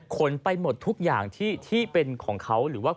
ขนไปหมดทุกอย่างที่เป็นของเขาหรือว่า